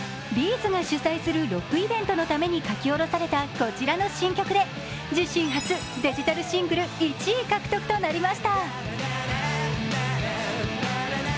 ’ｚが主催するロックイベントのために書き下ろされたこちらの新曲で、自身初デジタルシングル１位獲得となりました。